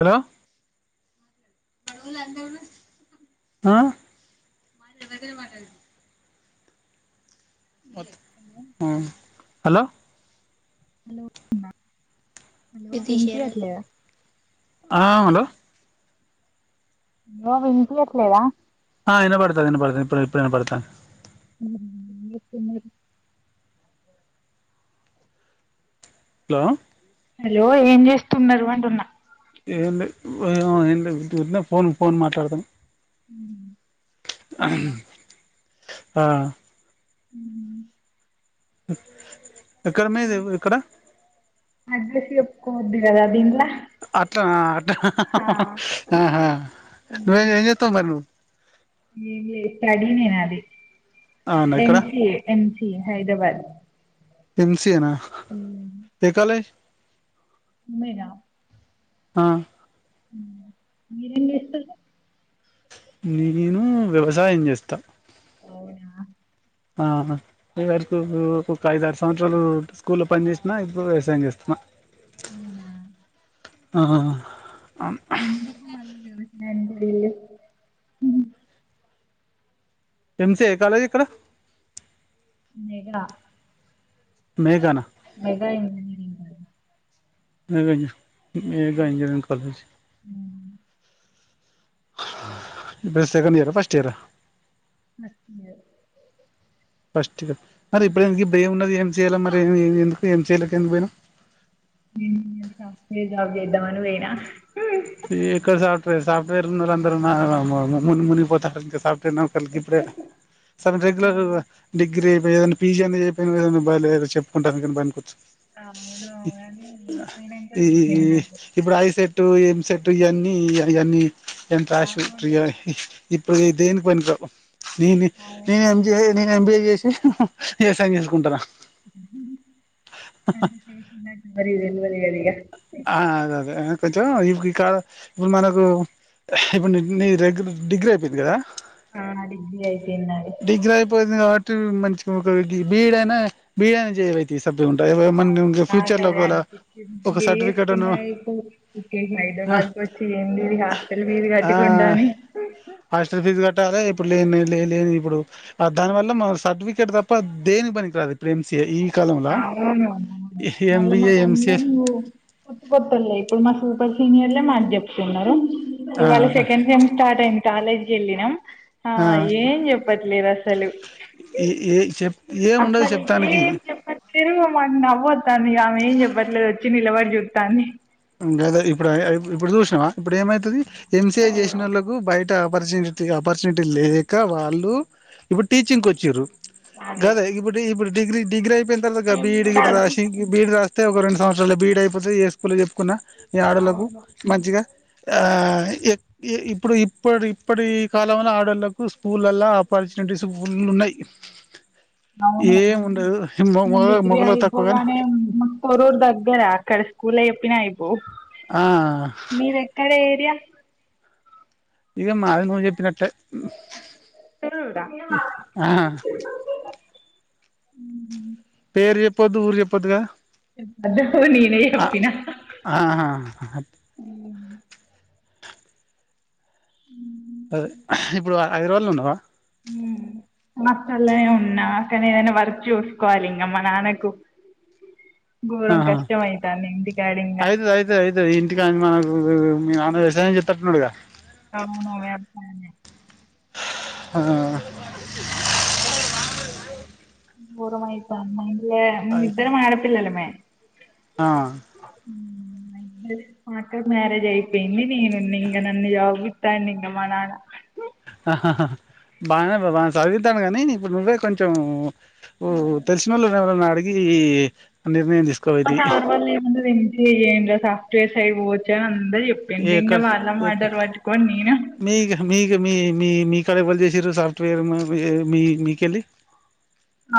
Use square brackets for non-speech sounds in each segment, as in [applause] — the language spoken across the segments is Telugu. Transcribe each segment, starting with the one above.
హలో [unintelligible] మారి వెగర మాట హలో హలో హలో వినిపియట్లేదా హ హలో ఇంగ వినిపియట్లేదా ఆ ఇన పడతాన పడుతా ఇప్పుడు ఇప్పు ఐనపడతాంది హ్మ్ ఎప్పుమరి హ హలో ఏం చేస్తున్నారు అంటున్నా ఏం ఊరికే ఫోన్ ఫోన్ మాట్లాడతాను తిన్నారా ఆ ఎక్కడ మీద ఎక్కడ కొద్దీ కదా ఇంగ అట్టన ఎం సీజెస్తావు మరి నువ్వు ఎం లె స్టడీ నీ నాది అవునా ఎక్కడ ఎంసి ఎంసి హైదరాబాద్ ఎంసఏనా ఏ కాలజ్ ఉమేరా హ మీరేం చేస్తారు నేను వ్యవసాయం చేస్తా అవునా ఆ ఇవరకు ఐదు ఆరు సంవత్సరాలు స్కూల్లో పని చేేసిన ఇప్పుడు వ్యవసాయం చేస్తున్నా ఉవునా ఆహా ఎందకు మళ్ళీ వివసాయం చేయాలి [unintelligible] తెంసి ఏ కాలజ ఇక్కడ నఘ మేఘన మెగా ఇంజనిరింగ్ ఏ engineering college second year first year నచ్చింది. మ ఇప్పుడు ఎ బే ఉన్న చేయాల మరి ఏమి ఎందుకు ఏం చేయలేక ఎ పోయినాం జబ ఎద మన పోేనా ఈ ఎక్కడ సా సాే సాఫట్ేర్ ఉంద అందరు నా మ ముూ మూని పోతాారు ఇంకా సాఫ్ట్వేర్ న కలికి ఇప్పుడే సార్ రె్యుర్ డిగ్ర అయి ఏదనా పీజీ అయి ఏదయ చెప్పుకుంటానునీ బనాకొచి ఆ అవును అకా వెయి టు ఏం సెట్టు ఇవన్నీ అవన్నీ ట్రాష్ ట అవును ఇప్పుడు దేనికి పని రావు నేను అవును మగ్ నీ ఎంబీఏ చేసి ఎవసాయం చేసుకుంటున్నా అేష ఆ అదే అదే కొంచెం ఇప్పు ఇక్కడ ఇప్పుడు మనకు ఇప్పుడు నీ రెగ్యు డిగ్రీ అయిపోయింది కదా ఆ డిగ్రీ అయిపోయింది నాది డిగ్రీ ఆయిపోయింది మంచి ఒక బీడయినా బీడయినా తీ ఉంటాయి ఆ, మ ఇం నాకు ఫ్యూచర్ లో అదే ఒకవేళ అనిపించింది ఒక మీరు సర్టిఫికేట్ను వేసుకున్నా ఇ ఇే బైద మార్కు వచ్చి ఏంది ఇ హాస్టల్ మీద కట్టుకుండా అని [inaudible] హాస్టర్ ఫీజ్ కట్టాలి ఇప్పుడు ఇప్పుడు దానివల్ల సర్టిఫికేట్ తప్ప ఇ దేనికి పనికి రా అది ప్రేమ్సయ ఈ కాలంలా ఆ మలమ్మ ఎంబిఏ ఎంసిఏ కందని పో పర్తు కొత్తలే ఇప్పుడు మా సూపర్ సీనియర్లే మాకు చెప్తున్నారు ఆ ఇవాళ సెకండ్ సమ్ స్టార్ట్ అయింది కాలేజ్కి వెళ్ళినం ఏం చెప్ పద్మరాసలు ఈ ఏ చెప్ ఏం ఉండదు అసలు చెప్తానికి ఏం చెప్పట్లేరుమ్ మ నవ్వొాను ఆమె ఏం చెప్పట్లేదు వచ్చి నిలబడి జుతంది ఇందా ఇప్పుడు ఇప్పుడు చూసినావా ఇప్పుడు ఏమైతుది ఎంసిఐ చేసిన ఘోరం వాళ్ళలకు బయట ఆపర్చునిటీ ఆపర్చునిటీ లేక వాళ్ళు ఇప్పుడు టీచింగ్ కు వచ్చారు అదే గదే ఇ బ ఇడు డిగ్రీ డిగ్రీ అయిపోయింతారు మేము బీడ్ కూడా గట్ అదే రాశి బీడ్ రాి అతే ఒక రెండు సంవత్సరాలు బీఈడ అయిపోతే ఏ స్కూల్లో చెప్పుకున్నా ఈ ఆడలకు అవును మంచిగా ఆ ఇప్పుడు ఇప్పడు ఇప్పటి ఈ కాలంలోంలో ఆడోళ్ళలకు స్కూల్లా ఆపరిచి పలు ఉన్నాయి [unintelligible] అవును ఏం ఉండదు న మొగ డిగ్రీ మొగలో తక్కువగాని అయిపోగానే మకు తోరురు దగ్గర కస్త స్కూల చెప్పిన అయిపో ఆ మీర ఎక్కడ ఏరియా ఇక మాదిూప్పినట్ట తెరుడా పేరు చెప్పొద్దు ఊరు చెప్పొద్దుగా అద్దవు నేనే ఆ చెప్పిన ఆహా అదే ఇప్పుడు హఐదరు రోజలు ఉన్నావా హ హాస్టలనే ఉన్నా అ కాని ఏదైనా వర్క్ చూసుకోవాలి ఇంగ మా నాన్నకు [inaudible] ఆహా కష్టం అయితాంది ఇంటికాడ ఇంగా అయితది అయితది అయితది ఇంటికాని మనకు మీ నాన్న వ్యవసాయం చెతట్డున్నడు గా అవును వ్యవసాయమే. హ బోరువైతంది. మా ఇంట్లో మేమిద్దరం ఆడపిల్లలమే. ఆ మ్మ్ నై మా అక్కకి మ్యారేజ్ అయిపోయింది నేను ఉన్న ఇంగ. నన్ను చదువుపిత్తాండు మా నాన్న. బాగనే బా చదివిద్దాన్డు. కానీ, ఇప్పుడు నువ్వే కొంచెం ఓ తెలిసినోళ్ళని ఎవరన్నా అడిగి, నిర్ణయం మా తీసుకోవైతివి సార్ వాళ్లు ఏమున్నది ఎంసీఏ చేయండి రా, సాఫ్ట్వేర్ సైడ్ పోవచ్చు అనన్ ముందే చెప్పిండ్రు. ఇంగ ఎక్కడ వాళ్ళ ఎక్క మాటల్ పట్టుకొని నేను మీ మీకు మీ మీ మీకాడ ఎవల్ చేసింర్రు సాఫ్ట్వేర్ మీ మీ మీకెళ్ళి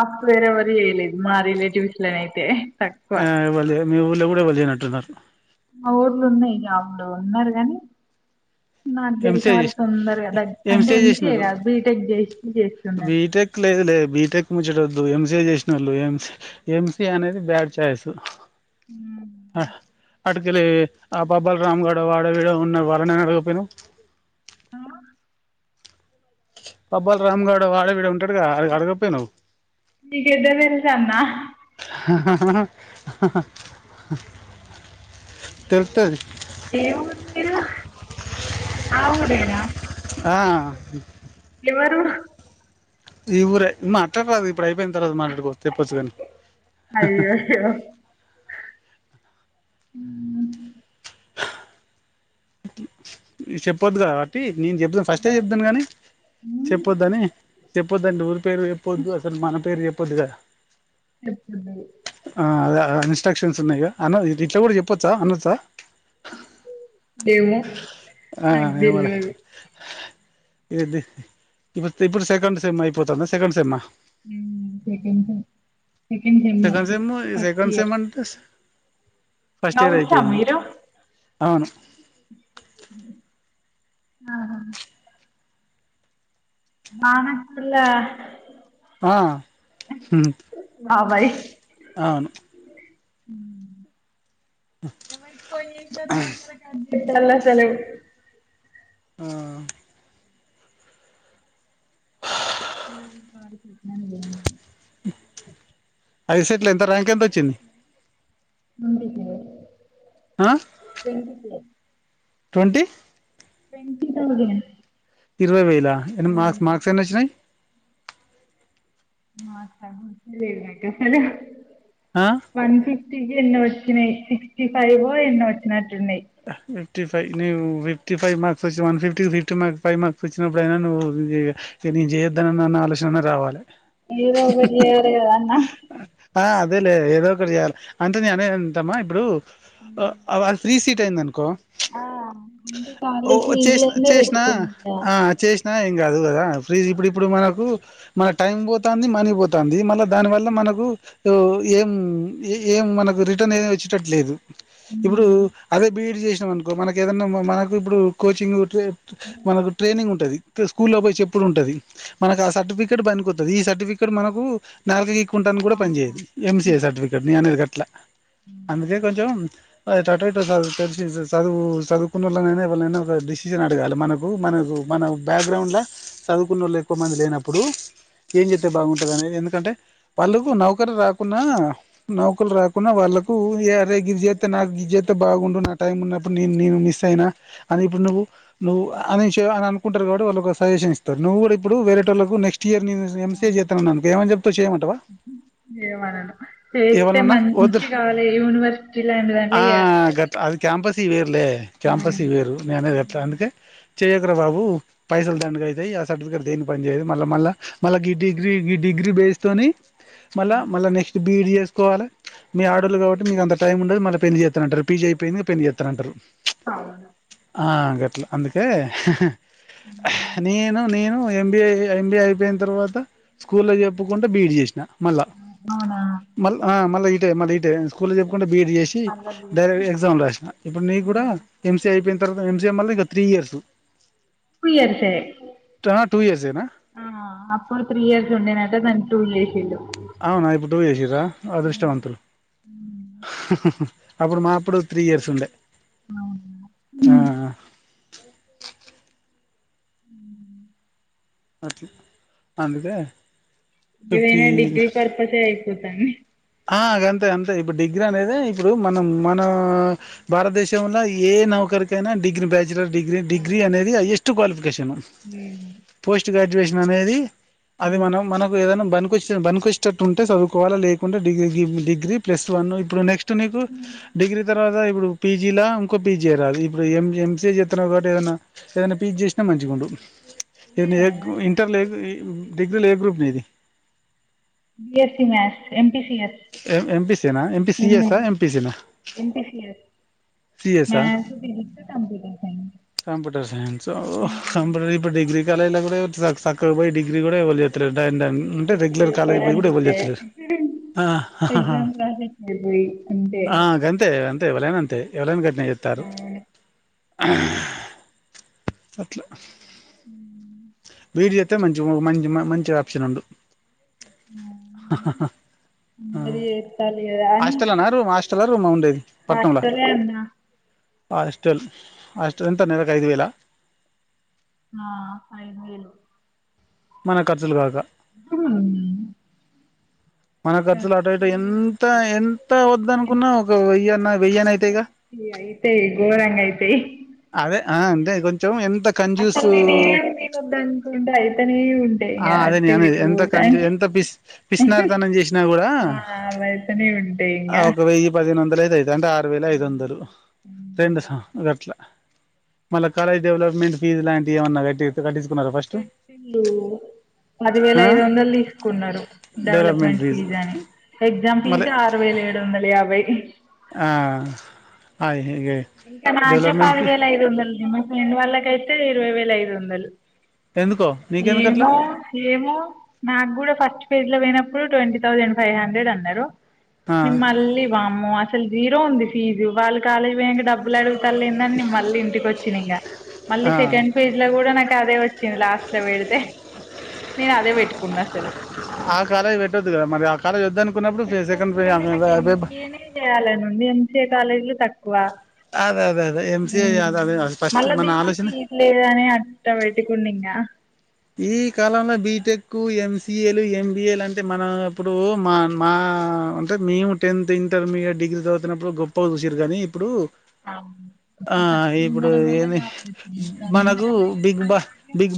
అప్పుడు వేరేవరు చేయలేదు. మా రిలేటివ్స్ లో నయితే ఆ మళ్లీ మీ ఊళ్లో కూడా ఎవల్ లేనట్టున్నారు. మా ఊర్లు ఉన్నయి. అప్పుడు ఉన్నారు గాని, నాకు తెలిసిన ఎంసీఏ వాళ్ళు చేసి తొందరగా దగ్ అంటే, ఎంసీఏ కాదు బీటెక్ చేసి చేస్తున్నారు. బీటెక్ లేదు లేదు బిటెక్ ముచ్చటద్దు ఎంసీఏ చేసినోళ్లు ఎంసి, ఎంసి అనేది బ్యాడ్ చాయిస్ ఆ అటుకెళ్ళి ఆ బబ్బల్ రామ్ గాడు, వాడో వీడో ఉన్న వాళ్ళనైనా అడగకపోయినవ్ ఆ బబ్బల్ రామ్ గాడో, వాడో వీడో ఉంటాడు కదా అడగకపోయినవ్ నీకెట్లా తెలుసు అన్న తెలుత్తది. ఏ ఊరు మీరు? ఆ ఊరేనా? ఆ మరూర ఈ ఊరే మాట్లాడరాదు ఇప్ ఇప్పుడు అయిపోయిన తర్వాత మాట్లాడుకోవచ్చు, తెప్పచ్చు కాని, అయ్యయ్యో మ్ ఈ చెప్పొద్దు కావట్టి నేను చెప్దును. ఫస్టే చెప్దును కాని, చెప్పొద్దని! చెప్పొద్దంట. ఊరి పేరు చెప్పొద్దు, అసలు మన పేరు చెప్పొద్దు కదా! చెప్పద్దు. ఆ ఇన్స్ట్రక్షన్స్ ఉన్నాయిగా! అన్నవ్ ఇ ఇట్లా కూడ చెప్పొచ్చా అనచ్చా గేమో ఆ ఏమోలే ఇది ఇప్పుతి ఇప్పుడు సెకండ్ సెమ్ అయిపోతాంద సెకండ్ సెమ్మా? మ్మ్ సెకండ్ సేమ్. సెకండ్ సేమ్ ఫి sem first second year sem అంటే ఫస్ట్ ఇయర్ గౌడ్సా అయిపోయింది. మీరు అవును. అవునా బానక్ ఉల్లా ఆ హుం అవును మ్ ఎవరికి ఫోన్ చేసినా దొరకరు కాన్ ఇ పెళ్ అసలే ఆ మ్మ్ పాలు ప [unintelligible] ఐ సెట్లో ఎంత ర్యాంక్ ఎంతొచ్చింది. మీకే తెలియ ఆ twenty three twenty twenty thousand ఇరవై వేలా మస్ మార్క్స్ ఎన్ని వచ్చినాయి మా సర ఆ వన్ ఫిఫ్టీ ఎన్నో వచ్చినాయి సిక్స్టీ ఫైవ్ ఎన్నో వచ్చిన fifty five fifty five marks వచ్చి వన్ ఫిఫ్టీకి ఫిఫ్టీ మార్క్స్ ఫై్ార్స్ వచ్చినప్పుడయినా నువ్ చేయొద్దనన్న ఆలోచనాన్న రావాలే ఏదో ఒకటి చేయలేకదా అన్న అదే లే ఏదో ఒకటి చేయాలి అంటే నే అనే అంటమా ఇప్పుడు అది ఫ్రీ సీట్ అయింది అనుకో ఆ అంటే ఓ కాలేజ్ చేష్ ఫీజులన్నీ చేసిన పెట్టుకునిందా ఆ చేష్ ఆంకాదు కదా ఫ్రీజ్ ఇప్పుడు ఇప్పుడు మనకు మన టైం పోతుంది మనీ పోతుంది మళ్ళ దాని వల్ల మన మనకు ఏం ఏం మనకు రిటర్న్ ఏ వచ్చేటట్లేదు ఇప్పుడు అదే బిఈడ్ చేసినాం అనుకో మనక ఏదన్నా మనకు ఇప్పుడు కోచింగ్ మనకు ట్రైనింగ్ ఉంటది స్కూలు లో పోయి చేప్పుడు ఉంటది మనకు ఆ సర్టిఫికెట్ పనికి కొత్తది ఈ సర్టిఫికెట్ మనకు నాలు పకుంటాను కూడా పని చేేయేది ఎంసీఏ సర్టిఫికెట్ని నేను అనేది గట్ల అందుకే కొంచెం అయితే అ లిసి చదువు చదువుకున్న వాళ్ళై ఒక డిసిజన్ అడగాలి మనకు మనకు మనం బ్యాక్గ్రౌండ్ల చదువుకున్న వాళ్ళు ఎక్కువ మంది లేనప్పుడు ఏం చెస్తతే బాగుంటది అనే ఎందుకంటే వాళ్ళకు నౌకర్ రాకున్నా నౌకరులు రాకున్నా వాళ్ళ కు ఎ అరే గిది జెట్టే గిది బాగుండు నా టైం ఉన్నప్పుడు న నేను మిస్ అయినా అని ఇడు నువ్వు నువ్వు అ అని అనుకుంటారు వాళ్ళకు సజెషన్ ఇస్తారు నువ్వు కూడా ఇప్పుడు వేరేటోళ్లకు నెస్ట్ నెక్స్ట్ ఇయర్ ఎంసిఏ చేస్తాన్నానుకు ఏమై చెప్తా చేయమటవా ఏమనను చేస్తే ఏమనన్నా మంచి వద్దురా కావాలి యూనివర్సిటీ లాంటి ఆ దాంట్లో చేయాలి కావచ్చు అది క్యాంపస్ వేరులే క్యాంపస్ వేరు అవును నేనదిగట్టా అందుకే చెయ్యకరా బాబు పైసలు దండగ అయితయి ఆ సర్టిఫికేట్ దేని పని చేయే మళ్ళ మళ్ళా మళ్ళా ఈ డిగ్రీ ఈ డిగ్రీ డిగ్రీ బేస్తోొని మళ్ళ మళ్ళ నెస్ట్ బిఈడ్ చేసుకోాలి మీ ఆడాళ్ళు కాబట్టి మీకు అంత టైం ఉండదు మళ్ళీ పెళ్లి చేస్త అంటారు పీజీ ఐపోయింది గా పెళ్ళి చేస్తా అంటారు అవును ఆ గట్లా అందుకే నేను నేను ఎంబీ ఎంబిఏ అయిపోయిన తర్వాత స్కూల్ల్లో చెప్పుకుంటడా బీఈడ్ చేసిన మళ్ళా అవునా మళ్ళ మళ్ళా ఇటే మళ్ళీ ఇటే స్కూల్లో చెప్పుకుంటే బిఎడ్ చేసి మల్ల బిజీ డైరెక్ట్ ఎగ్జామ్ రాసిన ఇప్పుడు నీకు కూడా ఎంసీ అయిపోయిన తర్వాత ఎంసీఐ మళ్ళీ ఇక త్రీ ఇయర్సు టూ ఇయర్సే ఇయర్స్ ఏనా అప్పుడు త్రీ ఇయర్స్ ఉండేనట గాని టూ జేసిండు అవునా ఇప్పుడు టూ చేసిర్రా అదృష్టవంతులు అప్పుడు మాప్పుడు త్రీ ఇయర్స్ ఉండే ఆ హ్మ్మ్ అట్లా అందుకే ఫిఫ్టీ ఏదైనా డిగ్రీ పర్పసే అయిపోతంది ఆ అ గంతే అంతే ఇప్పుడు డిగ్రీ అనేది ఇప్పుడు మనం మన భారతదేశంలో ఏ నౌ ఒకరికైనా డిగ్రీ బ్యాచ్ డిగ్రీ డిగ్రీ అనేది హైయెస్ట్ క్వాలిఫికేషన్ పోస్ట్ గ్రాడ్యుయేషన్ అనేది అది మనం మనకు ఏదైనా బనికోచ్చతట్టు బనికి వచ్చేటట్టు ఉంటే చదువుకోవాలా లే అంటే డిగ్రీ డిగ్రీ ప్లస్ వన్ ఇప్పుడు నెక్స్ట్ నీకు డిగ్రీ తర్వాత ఇప్పుడు పీజీ లా ఇంకో పీజీ రాదు ఇప్పుడు ఎం ఎంసఏ చేస్తున్నా కాబట్టి ఏదైనా ఏదైనా పీజీ చేసినా మంచిగా ఉండు ఏ ఇంటర్లో ఏ డిగ్రీ లో ఏ గ్రూప్ నీ ది B S C maths M M P C S M ఎంపీసీనా ఎంపీ హ్మ్మ్ సిఎస్ఆ హ్మ్మ్ ఎంపీసీనా ఏం పి సి ఎస్ సిఎస్ఆ maths physics computer science computer science ఓహో కంప్యూటర్ ఇప్పుడు డిగ్రీ ఇలా కూడా సక్కగా బోయి డిగ్రీ కూడా ఎవరు చేస్తా లేరు అంట అంటే డిగ్రీ రెగ్యులర్ కాలేజ్ పోయి కూడా ఎవరూ అంతే చెస్తాలేరు ఎగ్జామ్స్ రాసేకి పోయి అంతే గంత అంతే ఎవలైన అంతే ఎవరైన గాట్లనే చేస్తారు అట్లా హ [inaudible] బి ఇ డి చేస్తే మంచిగా ఉండు మంచి మంచి ఆప్షన్ ఉండు మరి చేత్తాలు కదా అని హాస్టల్లోన రూమ్ హాస్టల్ల రూమ్ ఉండేది పట్నంల హాస్టలే అన్నా హాస్టెల్ హాస్టెల్ ఎంత నెలకు ఐదు వేల ఆ ఐదు వేలు మన ఖర్చులు కాక హ్మ్మ్ మన ఖర్చులు అటు ఇటు ఎంత ఎంత వద్దనుకున్న వెయ్యి అయినా అవుతాయి గా అయితే గోరంగాయితే అదే ఆ అంటే కొంచెం ఎంత కంజ్యూస్ అసలు నేనేం తీయగూడ దనుకుంట అయితనే ఉంట ఆ అదే న అనే ఎంత క ఎంత పి పిసినారి తనం చేసినా కూడా ఆ అవైతనే ఉంటాయి ఇంగ ఒక వెయ్యి పదిహేను వందల ఐదు అయిదు అంటే ఆరు వేల ఐదు వందలు రెండు గట్ల మళ్ళ కాలేజ్ డెవలప్మెంట్ ఫీజు లాంటి ఏమన్నా కట్టి కట్టి పెట్టిల్లు పదివేల ఆ ఐదు వందలు తీసుకున్నారు డెవలప్మెంట్ ఫీజు అని ఎగ్జామ్ మళ్ళీ ఫీజు ఆరు వేలు ఏడువందల ఏబై ఆ ఆ ఇంకా నాకే పాది వేల ఐదు వందలు మా ఫ్రెండ్ వాళ్ళక కై తే ఇరవై వేల ఐదు వందలు ఎందుకో నీకెందుకు అట్లా ఏమో ఏమో నాకు కూడా ఫస్ట్ పేజ్ లో పోయినప్పు ట్వంటీ థౌసండ్ ఫైవ్ హండ్రెడ్ అన్నారు ఆ మళ్ళీ వామ్మో అసలు జీరో ఉంది ఫీజు వాళ్ళు కాలేజీ పోయయాక డబ్బులు అడుగుతల్లే లేందని న మళ్ళీ ఇంటికి వచ్చినా ఇంకా మళ్ళీ ఆ సెకండ్ పేజ్ లో కూడా నాకు అదే వచ్చింది లాస్ట్ లో పెడితే నేను అదే పెట్టుకున్నా సరే ఆ కాలేజ్ పెట్టొద్దు కదా మరి ఆ కాలేజీ వద్దానికి పెట్టొద్దు కాని నాకు ఎంసి ఏ నే చేయాలనుంది ఎంసీఏ కాలేజీలు తక్కువ అదే అదే అదే ఎంసీఏ అదే అదే ఫస్ట్ మళ్ళా మన దీనికి ఆలోచన ఫీజు లేద అని అట్ట పెట్టుకుండి ఇకా ఈ కాలంలో బీటెక్ ఎంసిఏలు ఎంబిఏలు అంటే మనం ఇప్పుడు మా మా అంటే మేము టెన్త్ ఇంటర్మీడియట్ డిగ్రీ చదువుతుినప్పుడు గొప్ప చూసిరు కాగానీ ఇప్పుడు ఆ తక్కు ఇప్పుడు ఉండడం వల్ల ఏంది జాబ్ చేస్తున్నారు ఇప్పుడు అందరూ అదే చేస్తున్నారుగా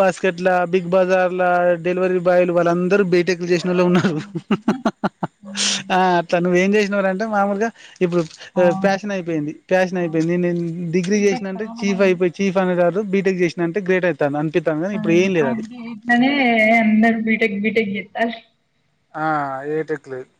బాస్కెట్ లా బిగ్ బజార్ లా డెలివరీ బాయలు వాళ్ళ అందరు బీటెక్ చేసిన వాళ్ళే ఉన్నారు అవును ఉమ్, ఆ తను ఏం చేసినవారంటే మామూలుగా ఇప్పుడు అవును ప్యాషన్ అయిపోయింది ప్యాషన్ అవును. అయిపోయింది నేను డిగ్రీ చేసినంటే చీఫ్ అయిపోయి చీఫ్ అనే కా బీటెక్ చేసినంటే గ్రేట్ అవుతారు అంతే తప్ప మనే అందరు బీటక్ బీటక్ ఆ అయ్యేటట్లు లేదు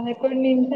అదెక్కడ ఉంది ఇంకా